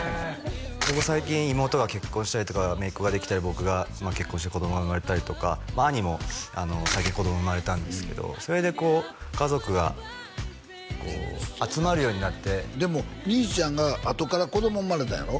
ここ最近妹が結婚したりとか姪っ子ができたり僕が結婚して子供が生まれたりとか兄も最近子供生まれたんですけどそれでこう家族が集まるようになってでも兄ちゃんがあとから子供生まれたんやろ？